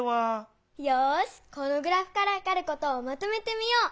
よしこのグラフからわかることをまとめてみよう！